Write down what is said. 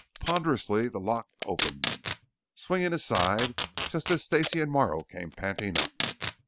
Ponderously the lock opened, swinging aside just as Stacey and Morrow came panting up.